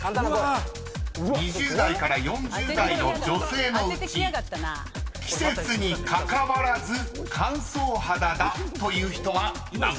［２０代から４０代の女性のうち季節にかかわらず乾燥肌だという人は何％？］